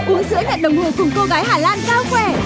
uống sữa ngạc đồng hồ cùng cô gái hà lan cao khỏe